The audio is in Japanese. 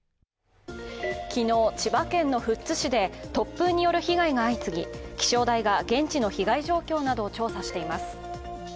昨日、千葉県の富津市で突風による被害が相次ぎ、気象台が現地の被害状況などを調査しています。